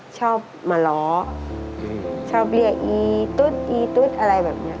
ชอบมาล้อชอบเรียกอีตุ๊ดอีตุ๊ดอะไรแบบนี้